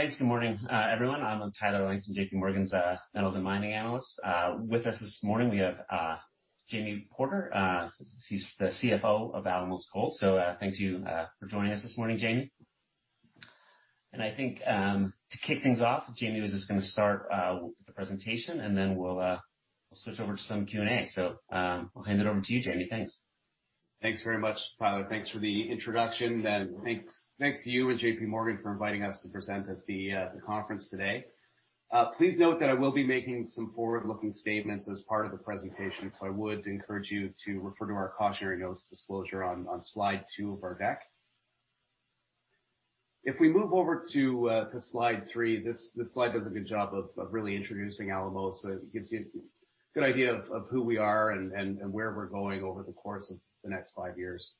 Thanks. Good morning, everyone. I'm Tyler Langton, JPMorgan's Metals and Mining Analyst. With us this morning, we have Jamie Porter. He's the Chief Financial Officer of Alamos Gold. Thank you for joining us this morning, Jamie. I think to kick things off, Jamie was just going to start the presentation, and then we'll switch over to some Q&A. I'll hand it over to you, Jamie. Thanks. Thanks very much, Tyler. Thanks for the introduction, and thanks to you and JPMorgan for inviting us to present at the conference today. Please note that I will be making some forward-looking statements as part of the presentation, so I would encourage you to refer to our cautionary notes disclosure on slide two of our deck. If we move over to slide three, this slide does a good job of really introducing Alamos. It gives you a good idea of who we are and where we're going over the course of the next five years.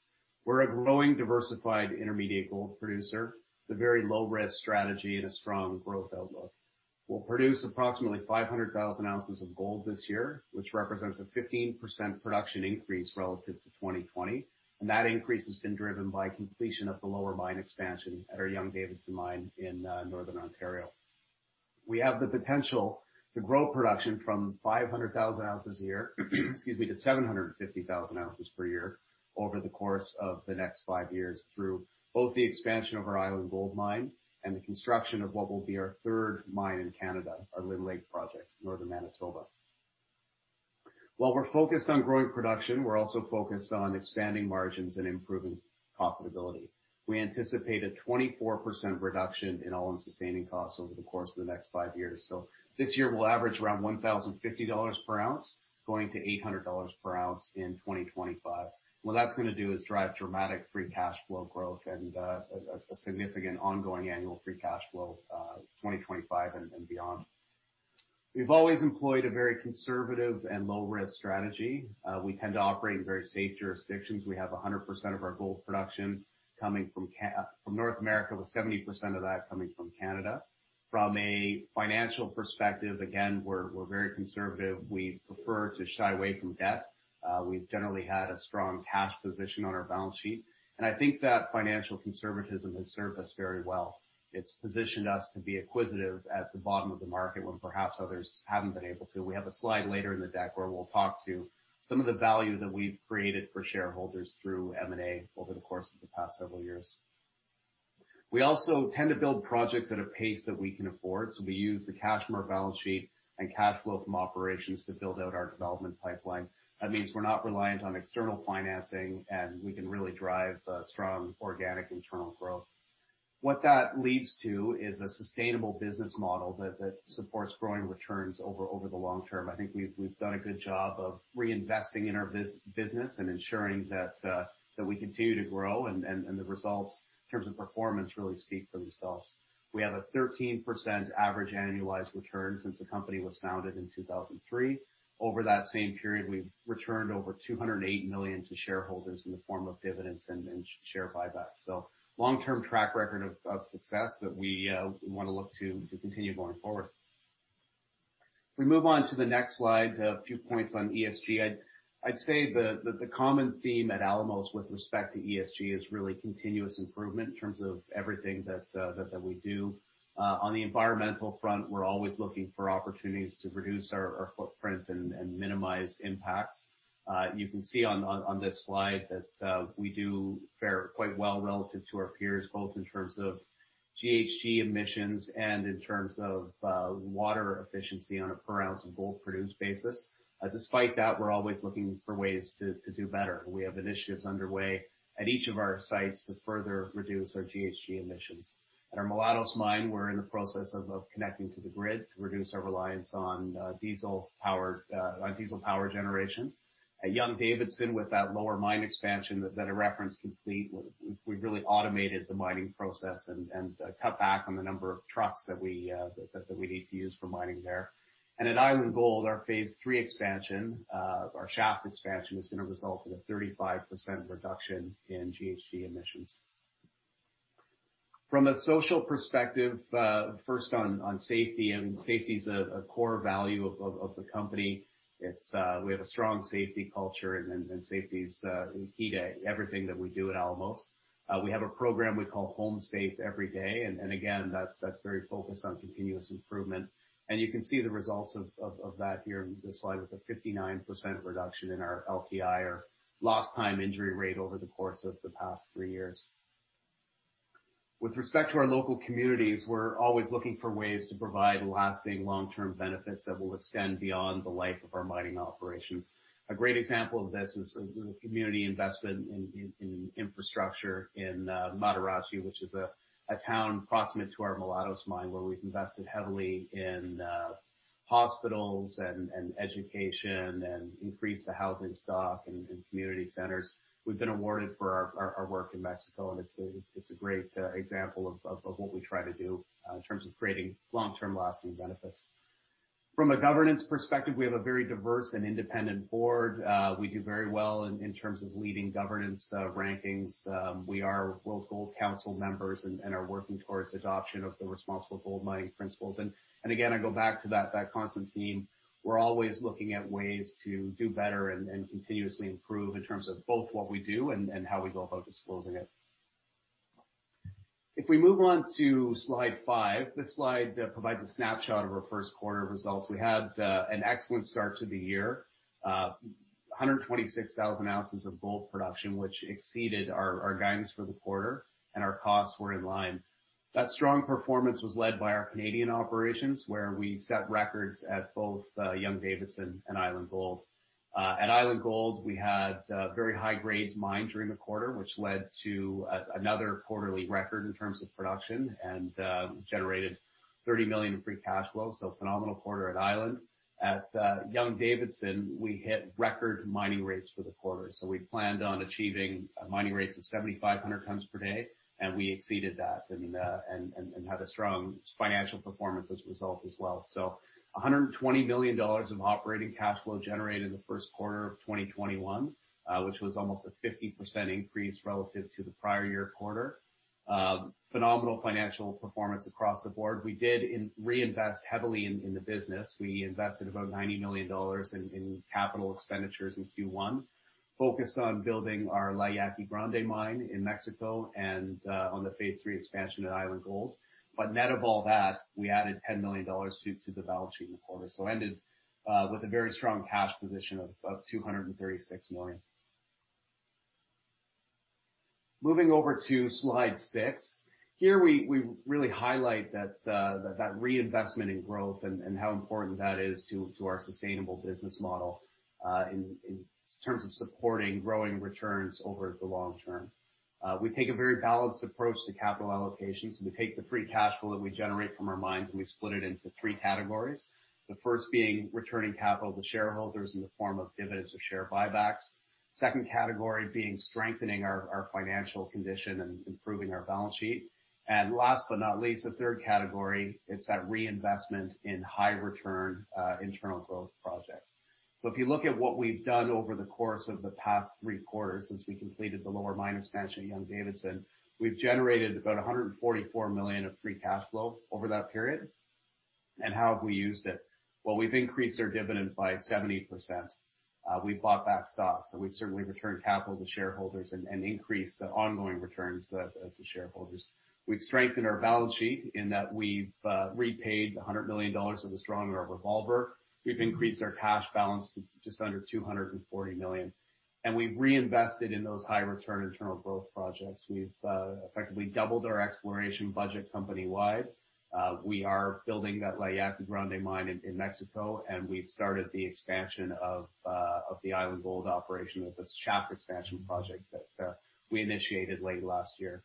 We're a growing, diversified intermediate gold producer with a very low-risk strategy and a strong growth outlook. We'll produce approximately 500,000 oz of gold this year, which represents a 15% production increase relative to 2020. That increase has been driven by completion of the Lower Mine Expansion at our Young-Davidson Mine in Northern Ontario. We have the potential to grow production from 500,000 oz a year to 750,000 oz per year over the course of the next five years through both the expansion of our Island Gold mine and the construction of what will be our third mine in Canada, our Lynn Lake project, Northern Manitoba. While we're focused on growing production, we're also focused on expanding margins and improving profitability. We anticipate a 24% reduction in all-in sustaining costs over the course of the next five years. This year, we'll average around 1,050 dollars per ounce, going to 800 dollars per ounce in 2025. What that's going to do is drive dramatic free cash flow growth and a significant ongoing annual free cash flow, 2025 and beyond. We've always employed a very conservative and low-risk strategy. We tend to operate in very safe jurisdictions. We have 100% of our gold production coming from North America, with 70% of that coming from Canada. From a financial perspective, again, we're very conservative. We prefer to shy away from debt. We've generally had a strong cash position on our balance sheet, and I think that financial conservatism has served us very well. It's positioned us to be acquisitive at the bottom of the market when perhaps others haven't been able to. We have a slide later in the deck where we'll talk to some of the value that we've created for shareholders through M&A over the course of the past several years. We also tend to build projects at a pace that we can afford. We use the cash from our balance sheet and cash flow from operations to build out our development pipeline. That means we are not reliant on external financing, and we can really drive strong organic internal growth. What that leads to is a sustainable business model that supports growing returns over the long term. I think we have done a good job of reinvesting in our business and ensuring that we continue to grow, and the results in terms of performance really speak for themselves. We have a 13% average annualized return since the company was founded in 2003. Over that same period, we have returned over 208 million to shareholders in the form of dividends and share buybacks. Long-term track record of success that we want to look to continue going forward. If we move on to the next slide, a few points on ESG. I'd say the common theme at Alamos with respect to ESG is really continuous improvement in terms of everything that we do. On the environmental front, we're always looking for opportunities to reduce our footprint and minimize impacts. You can see on this slide that we do fare quite well relative to our peers, both in terms of GHG emissions and in terms of water efficiency on a per-ounce of gold produced basis. Despite that, we're always looking for ways to do better. We have initiatives underway at each of our sites to further reduce our GHG emissions. At our Mulatos mine, we're in the process of connecting to the grid to reduce our reliance on diesel power generation. At Young-Davidson, with that Lower Mine Expansion that I referenced complete, we've really automated the mining process and cut back on the number of trucks that we need to use for mining there. At Island Gold, our Phase III Expansion, our shaft expansion, is going to result in a 35% reduction in GHG emissions. From a social perspective, first on safety's a core value of the company. We have a strong safety culture, safety's key to everything that we do at Alamos. We have a program we call Home Safe Every Day, again, that's very focused on continuous improvement. You can see the results of that here in this slide with a 59% reduction in our LTI or lost time injury rate over the course of the past three years. With respect to our local communities, we're always looking for ways to provide lasting long-term benefits that will extend beyond the life of our mining operations. A great example of this is the community investment in infrastructure in Matarachi, which is a town proximate to our Mulatos mine, where we've invested heavily in hospitals and education and increased the housing stock and community centers. We've been awarded for our work in Mexico, and it's a great example of what we try to do in terms of creating long-term lasting benefits. From a governance perspective, we have a very diverse and independent board. We do very well in terms of leading governance rankings. We are World Gold Council members and are working towards adoption of the Responsible Gold Mining Principles. Again, I go back to that constant theme. We're always looking at ways to do better and continuously improve in terms of both what we do and how we go about disclosing it. If we move on to slide five, this slide provides a snapshot of our first quarter results. We had an excellent start to the year, 126,000 oz of gold production, which exceeded our guidance for the quarter. Our costs were in line. That strong performance was led by our Canadian operations, where we set records at both Young-Davidson and Island Gold. At Island Gold, we had very high-grade mining during the quarter, which led to another quarterly record in terms of production and generated 30 million of free cash flow. A phenomenal quarter at Island. At Young-Davidson, we hit record mining rates for the quarter. We planned on achieving mining rates of 7,500 tons per day, and we exceeded that and had a strong financial performance as a result as well. 120 million dollars of operating cash flow generated in the first quarter of 2021, which was almost a 50% increase relative to the prior-year quarter. Phenomenal financial performance across the board. We did reinvest heavily in the business. We invested about 90 million dollars in capital expenditures in Q1, focused on building our La Yaqui Grande mine in Mexico and on the Phase III Expansion at Island Gold. Net of all that, we added 10 million dollars to the balance sheet in the quarter. Ended with a very strong cash position of 236 million. Moving over to slide six. Here we really highlight that reinvestment in growth and how important that is to our sustainable business model in terms of supporting growing returns over the long term. We take a very balanced approach to capital allocations. We take the free cash flow that we generate from our mines, and we split it into three categories. The first being returning capital to shareholders in the form of dividends or share buybacks. Second category being strengthening our financial condition and improving our balance sheet. Last but not least, the third category is that reinvestment in high-return internal growth projects. If you look at what we've done over the course of the past three quarters since we completed the Lower Mine Expansion at Young-Davidson, we've generated about 144 million of free cash flow over that period. How have we used it? Well, we've increased our dividend by 70%. We've bought back stock, so we've certainly returned capital to shareholders and increased the ongoing returns as the shareholders. We've strengthened our balance sheet in that we've repaid 100 million dollars of the standby revolver. We've increased our cash balance to just under 240 million, and we've reinvested in those high-return internal growth projects. We've effectively doubled our exploration budget company-wide. We are building that La Yaqui Grande mine in Mexico, and we've started the expansion of the Island Gold operation with this shaft expansion project that we initiated late last year.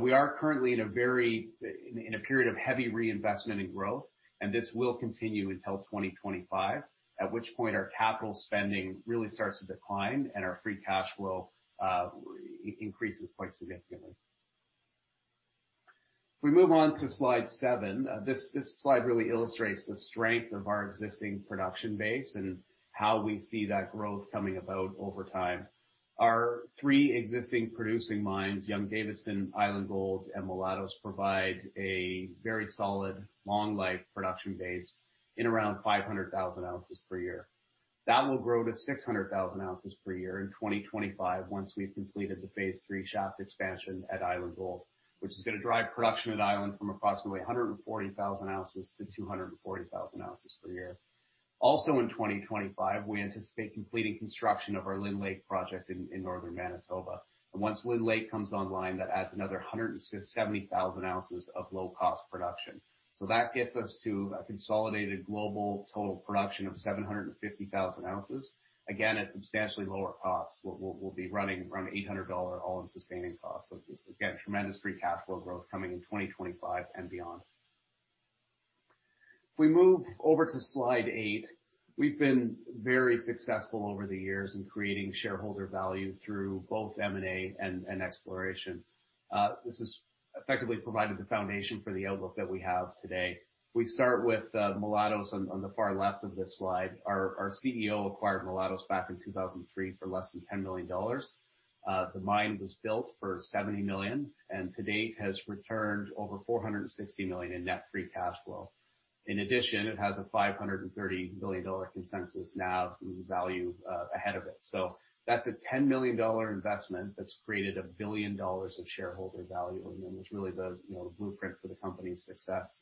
We are currently in a period of heavy reinvestment in growth, and this will continue until 2025, at which point our capital spending really starts to decline and our free cash flow increases quite significantly. If we move on to slide seven, this slide really illustrates the strength of our existing production base and how we see that growth coming about over time. Our three existing producing mines, Young-Davidson, Island Gold, and Mulatos, provide a very solid long life production base in around 500,000 oz per year. That will grow to 600,000 oz per year in 2025 once we've completed the Phase III Expansion at Island Gold, which is going to drive production at Island from approximately 140,000 oz to 240,000 oz per year. Also in 2025, we anticipate completing construction of our Lynn Lake project in Northern Manitoba. Once Lynn Lake comes online, that adds another 170,000 oz of low-cost production. That gets us to a consolidated global total production of 750,000 oz, again, at substantially lower costs. We'll be running around 800 dollar all-in sustaining costs. Tremendous free cash flow growth coming in 2025 and beyond. If we move over to slide eight, we've been very successful over the years in creating shareholder value through both M&A and exploration. This has effectively provided the foundation for the outlook that we have today. We start with Mulatos on the far left of this slide. Our Chief Executive Officer acquired Mulatos back in 2003 for less than 10 million dollars. The mine was built for 70 million and to date has returned over 460 million in net free cash flow. In addition, it has a 530 million dollar consensus NAV value ahead of it. That's a 10 million dollar investment that's created 1 billion dollars of shareholder value and then was really the blueprint for the company's success.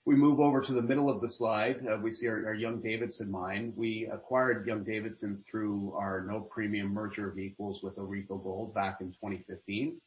If we move over to the middle of the slide, we see our Young-Davidson Mine. We acquired Young-Davidson through our no-premium merger of equals with AuRico Gold back in 2015.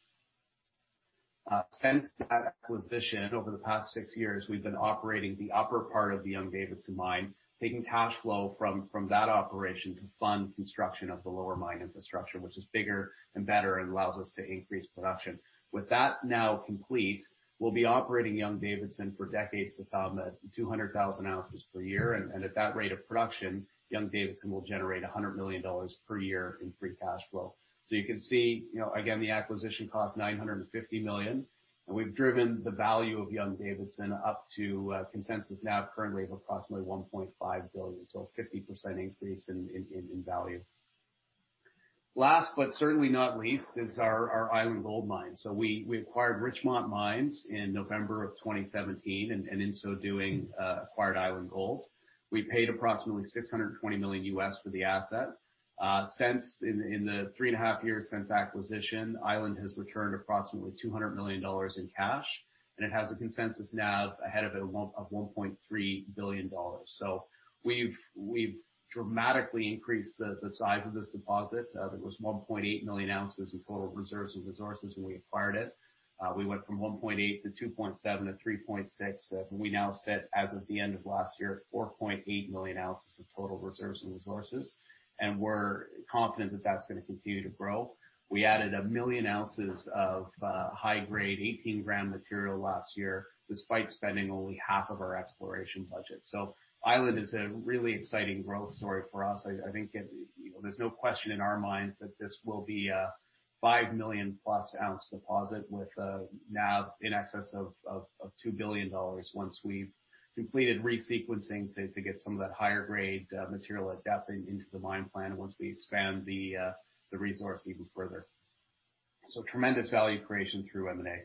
Since that acquisition over the past six years, we've been operating the upper part of the Young-Davidson Mine, taking cash flow from that operation to fund construction of the Lower Mine Expansion, which is bigger and better and allows us to increase production. With that now complete, we'll be operating Young-Davidson for decades to come at 200,000 oz per year. At that rate of production, Young-Davidson will generate 100 million dollars per year in free cash flow. You can see, again, the acquisition cost 950 million. We've driven the value of Young-Davidson up to a consensus NAV currently of approximately 1.5 billion. A 50% increase in value. Last but certainly not least is our Island Gold mine. We acquired Richmont Mines in November of 2017. In so doing, acquired Island Gold. We paid approximately 620 million for the asset. Since, in the three and a half years since acquisition, Island has returned approximately 200 million dollars in cash, and it has a consensus NAV ahead of 1.3 billion dollars. We've dramatically increased the size of this deposit. It was 1,800,000 oz of total reserves and resources when we acquired it. We went from 1,800,000 oz to 2,700,000 oz to 3,600,000 oz. We now sit, as of the end of last year, at 4,800,000 oz of total reserves and resources, and we're confident that that's going to continue to grow. We added 1,000,000 oz of high-grade 18-g material last year, despite spending only half of our exploration budget. Island is a really exciting growth story for us. I think there's no question in our minds that this will be a 5,000,000+ oz deposit with a NAV in excess of 2 billion dollars once we've completed re-sequencing to get some of that higher grade material at depth and into the mine plan once we expand the resource even further. Tremendous value creation through M&A.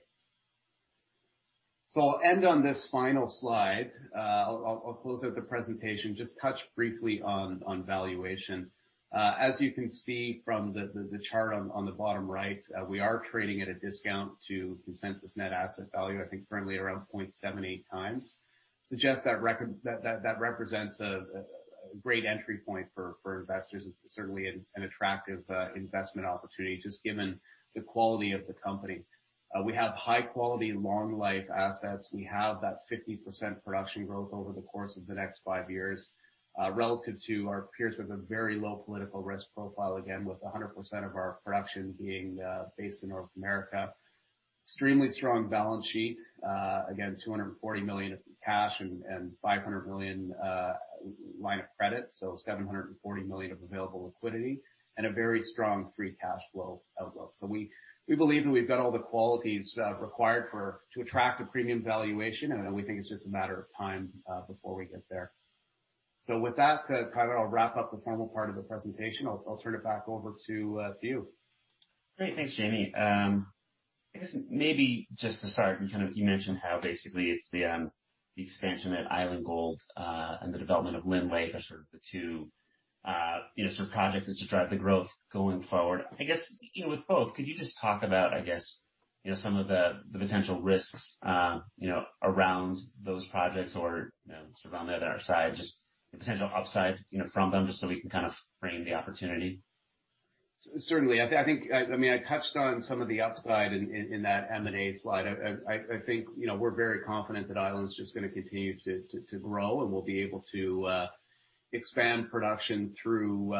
I'll end on this final slide. I'll close out the presentation, just touch briefly on valuation. As you can see from the chart on the bottom right, we are trading at a discount to consensus net asset value, I think currently around 0.78 times. Suggest that represents a great entry point for investors, certainly an attractive investment opportunity, just given the quality of the company. We have high-quality, long-life assets. We have that 50% production growth over the course of the next five years, relative to our peers with a very low political risk profile, again, with 100% of our production being based in North America. Extremely strong balance sheet, again, 240 million of cash and 500 million line of credit, 740 million of available liquidity, and a very strong free cash flow outlook. We believe that we've got all the qualities required to attract a premium valuation, and we think it's just a matter of time before we get there. With that, to kind of wrap up the formal part of the presentation, I'll turn it back over to you. Great. Thanks, Jamie. I guess maybe just to start, you mentioned how basically it's the expansion at Island Gold and the development of Lynn Lake are sort of the two projects that should drive the growth going forward. I guess with both, could you just talk about some of the potential risks around those projects or sort of on the other side, just the potential upside from them, just so we can frame the opportunity. Certainly. I think I touched on some of the upside in that M&A slide. I think we're very confident that Island is just going to continue to grow, and we'll be able to expand production through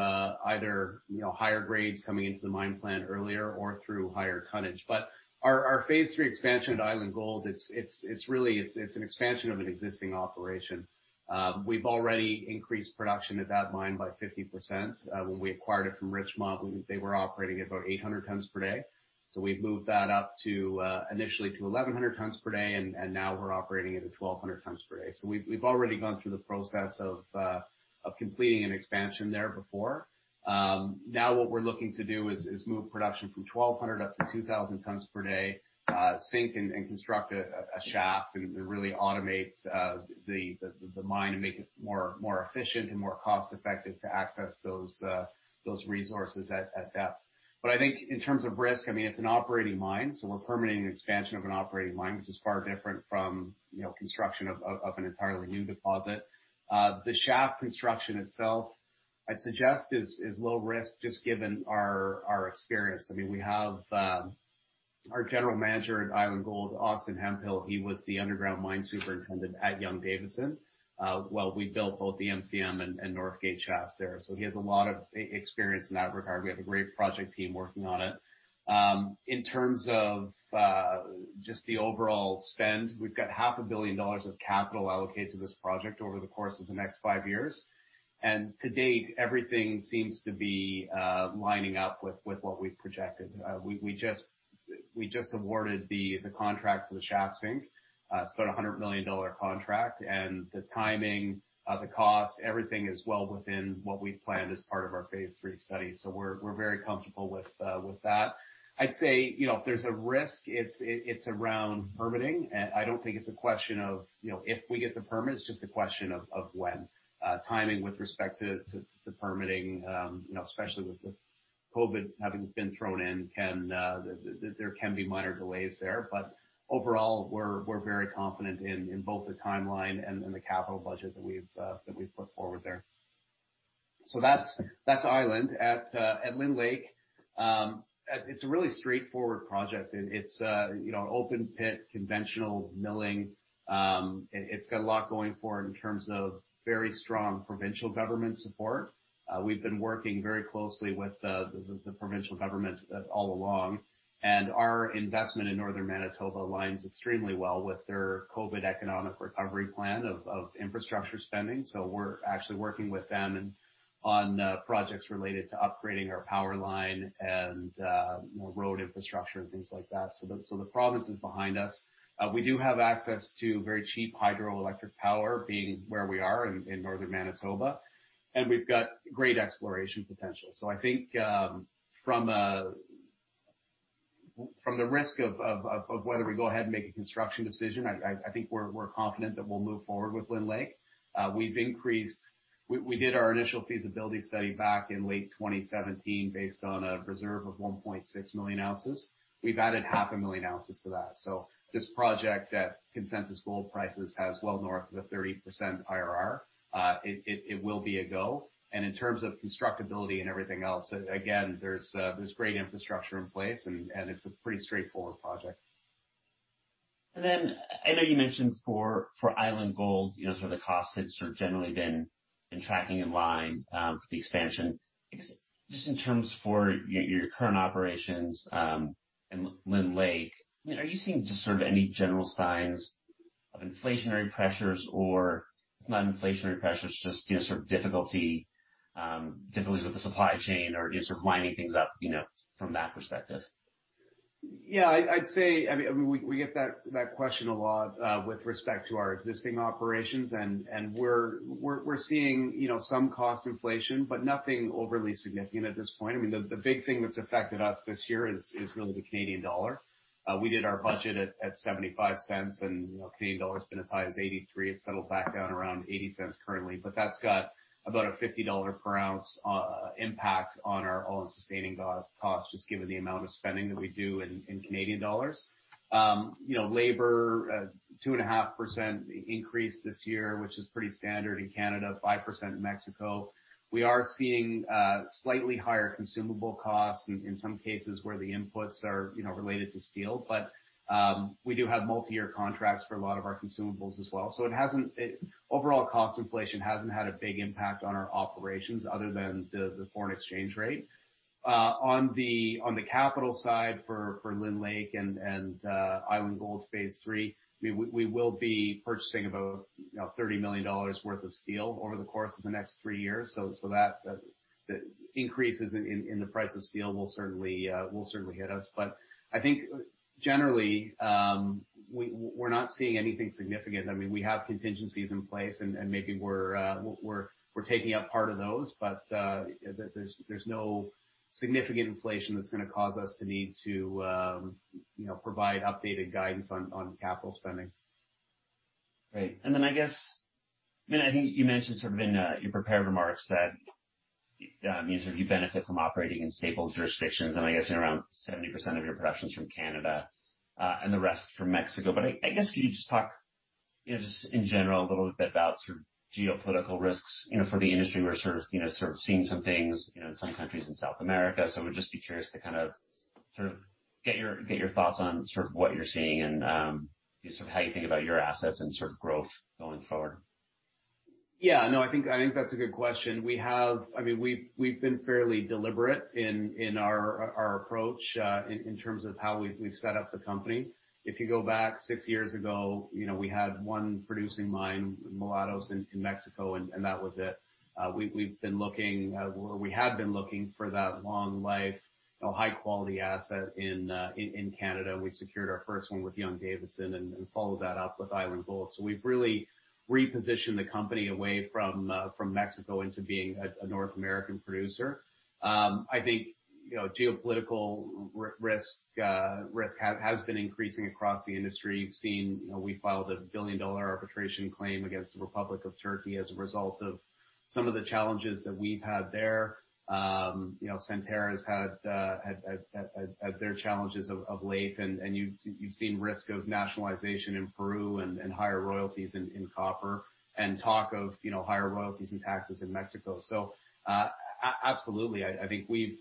either higher grades coming into the mine plan earlier or through higher tonnage. Our Phase III Expansion at Island Gold, it's an expansion of an existing operation. We've already increased production at that mine by 50%. When we acquired it from Richmont, they were operating about 800 tons per day. We've moved that up initially to 1,100 tons per day, and now we're operating at 1,200 tons per day. We've already gone through the process of completing an expansion there before. What we're looking to do is move production from 1,200 up to 2,000 tons per day, sink and construct a shaft, and really automate the mine and make it more efficient and more cost-effective to access those resources at depth. I think in terms of risk, it's an operating mine, we're permitting expansion of an operating mine, which is far different from construction of an entirely new deposit. The shaft construction itself, I'd suggest is low risk just given our experience. We have our General Manager at Island Gold, Austin Hemphill, he was the underground mine superintendent at Young-Davidson, where we built both the MCM and Northgate shafts there. He has a lot of experience in that regard. We have a great project team working on it. In terms of just the overall spend, we've got half a billion dollars of capital allocated to this project over the course of the next five years. To date, everything seems to be lining up with what we've projected. We just awarded the contract for the shaft sink. It's about a 100 million dollar contract, and the timing, the cost, everything is well within what we planned as part of our Phase III study. We're very comfortable with that. I'd say if there's a risk, it's around permitting. I don't think it's a question of if we get the permits, just a question of when. Timing with respect to the permitting, especially with the COVID having been thrown in, there can be minor delays there. Overall, we're very confident in both the timeline and the capital budget that we've put forward there. That's Island. At Lynn Lake, it's a really straightforward project. It's open pit, conventional milling. It's got a lot going for it in terms of very strong provincial government support. We've been working very closely with the provincial government all along, and our investment in Northern Manitoba aligns extremely well with their COVID economic recovery plan of infrastructure spending. We're actually working with them on projects related to upgrading our power line and road infrastructure and things like that. The province is behind us. We do have access to very cheap hydroelectric power, being where we are in Northern Manitoba, and we've got great exploration potential. I think from the risk of whether we go ahead and make a construction decision, I think we're confident that we'll move forward with Lynn Lake. We did our initial feasibility study back in late 2017 based on a reserve of 1,600,000 oz. We've added 500,000 oz to that. This project at consensus gold prices has well north of a 30% IRR. It will be a go. In terms of constructability and everything else, again, there's great infrastructure in place, and it's a pretty straightforward project. I know you mentioned for Island Gold, the cost has generally been tracking in line for the expansion. In terms for your current operations in Lynn Lake, are you seeing just any general signs of inflationary pressures, or if not inflationary pressures, just difficulty with the supply chain or just winding things up from that perspective? Yeah. I'd say, we get that question a lot with respect to our existing operations, and we're seeing some cost inflation, but nothing overly significant at this point. The big thing that's affected us this year is really the Canadian dollar. We did our budget at 0.85, and Canadian dollar's been as high as 0.83. It settled back down around 0.80 currently. That's got about a 50 dollar per ounce impact on our all-in sustaining costs, just given the amount of spending that we do in Canadian dollars. Labor, 2.5% increase this year, which is pretty standard in Canada, 5% in Mexico. We are seeing slightly higher consumable costs in some cases where the inputs are related to steel. We do have multi-year contracts for a lot of our consumables as well. Overall cost inflation hasn't had a big impact on our operations other than the foreign exchange rate. On the capital side for Lynn Lake and Island Gold Phase III, we will be purchasing about 30 million dollars worth of steel over the course of the next three years. The increases in the price of steel will certainly hit us. I think generally, we're not seeing anything significant. We have contingencies in place, and maybe we're taking up part of those, but there's no significant inflation that's going to cause us to need to provide updated guidance on capital spending. Great. I guess, I think you mentioned in your prepared remarks that you benefit from operating in stable jurisdictions, and I guess around 70% of your production's from Canada, and the rest from Mexico. I guess, could you just talk, just in general, a little bit about geopolitical risks for the industry? We're sort of seeing some things in some countries in South America. I would just be curious to get your thoughts on what you're seeing and just how you think about your assets and growth going forward. No, I think that's a good question. We've been fairly deliberate in our approach in terms of how we've set up the company. If you go back six years ago, we had one producing mine, Mulatos, in Mexico, and that was it. We have been looking for that long life, high quality asset in Canada. We secured our first one with Young-Davidson and followed that up with Island Gold. We've really repositioned the company away from Mexico into being a North American producer. I think geopolitical risk has been increasing across the industry. You've seen we filed a billion-dollar arbitration claim against the Republic of Turkey as a result of some of the challenges that we've had there. Centerra's had their challenges of late, and you've seen risk of nationalization in Peru and higher royalties in copper, and talk of higher royalties and taxes in Mexico. Absolutely, I think we've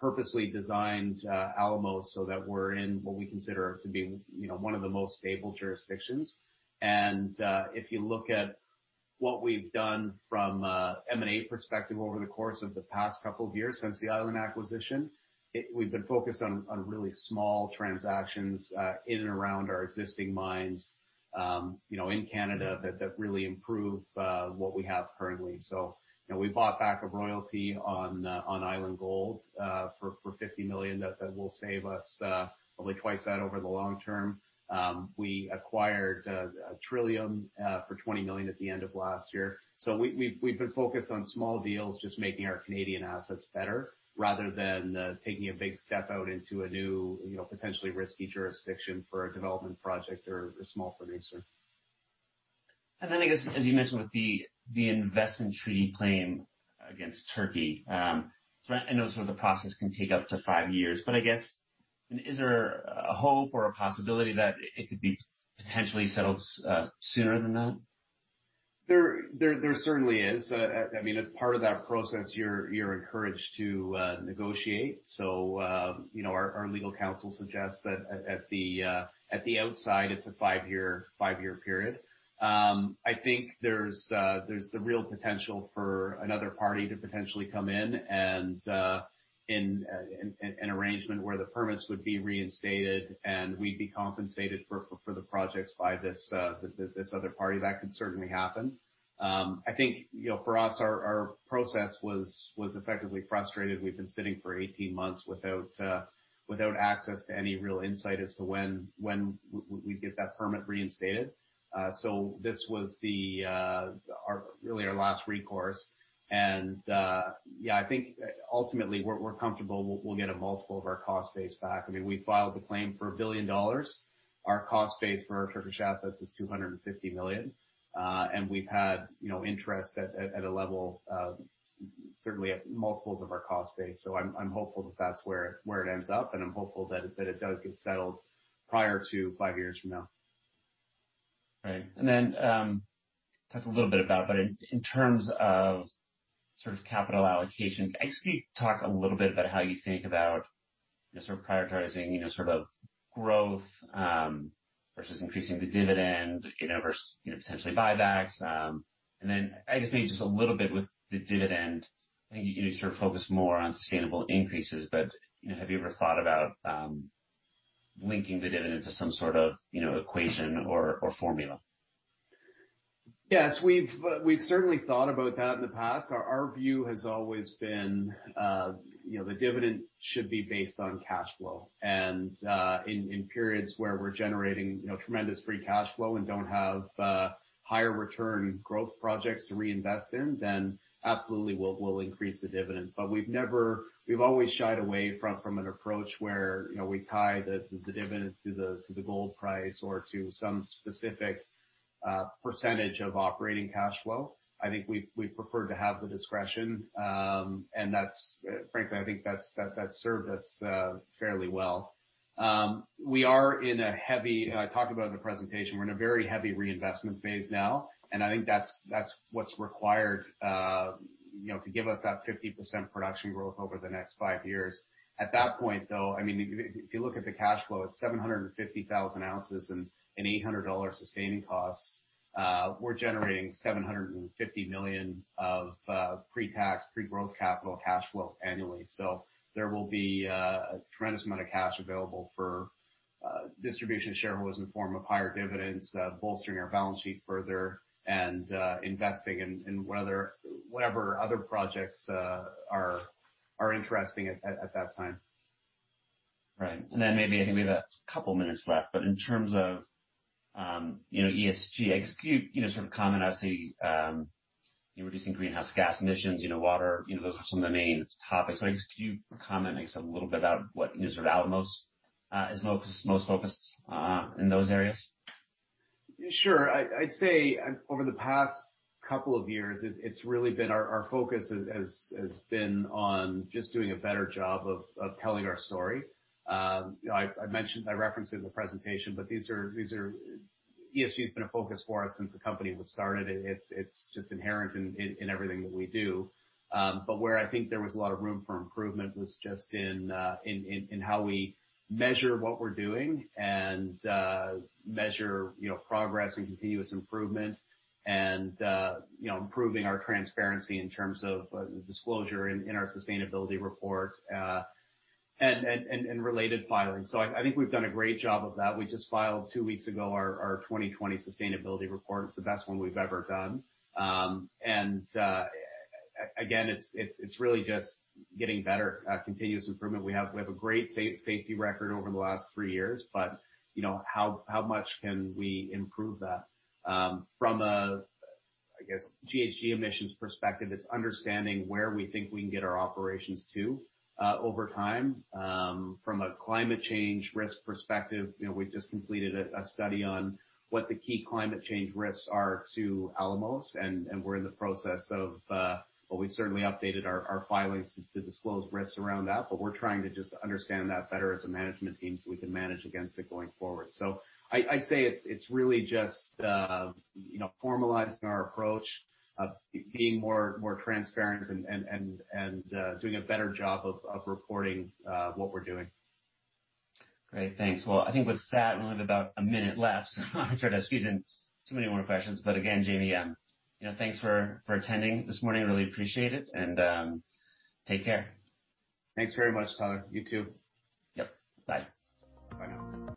purposely designed Alamos so that we're in what we consider to be one of the most stable jurisdictions. If you look at what we've done from an M&A perspective over the course of the past couple of years since the Island Gold acquisition, we've been focused on really small transactions in and around our existing mines in Canada that really improve what we have currently. We bought back a royalty on Island Gold for 50 million. That will save us probably twice that over the long term. We acquired Trillium for 20 million at the end of last year. We've been focused on small deals, just making our Canadian assets better rather than taking a big step out into a new, potentially risky jurisdiction for a development project or a small producer. I guess, as you mentioned with the investment treaty claim against Turkey, I know the process can take up to five years, but I guess, is there a hope or a possibility that it could be potentially settled sooner than that? There certainly is. As part of that process, you're encouraged to negotiate. Our legal counsel suggests that at the outside, it's a five-year period. I think there's the real potential for another party to potentially come in an arrangement where the permits would be reinstated, and we'd be compensated for the projects by this other party. That can certainly happen. I think for us, our process was effectively frustrated. We've been sitting for 18 months without access to any real insight as to when we'd get that permit reinstated. This was really our last recourse, and I think ultimately we're comfortable we'll get a multiple of our cost base back. We filed the claim for 1 billion dollars. Our cost base for our Turkish assets is 250 million. We've had interest at a level, certainly at multiples of our cost base. I'm hopeful that that's where it ends up, and I'm hopeful that it does get settled prior to five years from now. Right. That's a little bit about that, but in terms of capital allocation, can you talk a little bit about how you think about prioritizing growth versus increasing the dividend versus potentially buybacks. I just think a little bit with the dividend, I think you focused more on sustainable increases, but have you ever thought about linking the dividend to some sort of equation or formula? Yes, we've certainly thought about that in the past. Our view has always been the dividend should be based on cash flow. In periods where we're generating tremendous free cash flow and don't have higher return growth projects to reinvest in, then absolutely, we'll increase the dividend. We've always shied away from an approach where we tie the dividend to the gold price or to some specific percentage of operating cash flow. I think we prefer to have the discretion. Frankly, I think that's served us fairly well. I talked about in the presentation, we're in a very heavy reinvestment phase now, and I think that's what's required to give us that 50% production growth over the next five years. At that point, though, if you look at the cash flow, at 750,000 oz and 800 dollar sustaining costs, we're generating 750 million of pre-tax, pre-growth capital cash flow annually. So there will be a tremendous amount of cash available for distribution to shareholders in the form of higher dividends, bolstering our balance sheet further and investing in whatever other projects are interesting at that time. Right. Maybe I think we have a couple of minutes left, in terms of ESG, I guess you comment on, say, reducing greenhouse gas emissions, water, those are some of the main topics. I guess could you comment a little bit about what Alamos is most focused on in those areas? Sure. I'd say over the past couple of years, our focus has been on just doing a better job of telling our story. I referenced in the presentation. ESG has been a focus for us since the company was started. It's just inherent in everything that we do. Where I think there was a lot of room for improvement was just in how we measure what we're doing and measure progress and continuous improvement and improving our transparency in terms of disclosure in our sustainability report and related filings. I think we've done a great job of that. We just filed two weeks ago our 2020 sustainability report. It's the best one we've ever done. Again, it's really just getting better at continuous improvement. We have a great safety record over the last three years. How much can we improve that? From a, I guess, GHG emissions perspective, it's understanding where we think we can get our operations to over time. From a climate change risk perspective, we just completed a study on what the key climate change risks are to Alamos, and we're in the process of, well, we've certainly updated our filings to disclose risks around that, but we're trying to just understand that better as a management team so we can manage against it going forward. I'd say it's really just formalizing our approach, being more transparent and doing a better job of reporting what we're doing. Great. Thanks. Well, I think with that, we only have about one minute left so I'll try to squeeze in so many more questions. Again, Jamie, thanks for attending this morning. Really appreciate it, and take care. Thanks very much, Tyler. You too. Yep. Bye.